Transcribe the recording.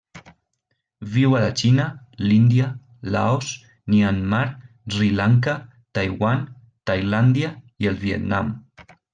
Viu a la Xina, l'Índia, Laos, Myanmar, Sri Lanka, Taiwan, Tailàndia i el Vietnam.